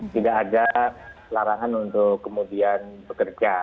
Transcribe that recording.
tidak ada larangan untuk kemudian bekerja